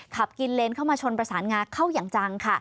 ขับกินเลนเข้ามาชนประสานงาเข้าอย่างจังค่ะ